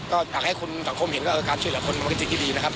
ก็อยากให้คุณสังคมเห็นว่าการช่วยเหลือคนมันก็สิ่งที่ดีนะครับ